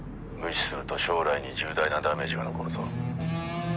無視すると将来に重大なダメージが残るぞ。